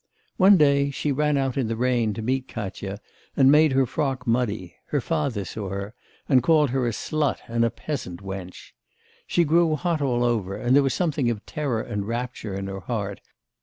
One day she ran out in the rain to meet Katya, and made her frock muddy; her father saw her, and called her a slut and a peasant wench. She grew hot all over, and there was something of terror and rapture in her heart.